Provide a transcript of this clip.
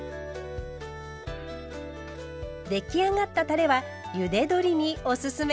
出来上がったたれはゆで鶏におすすめ。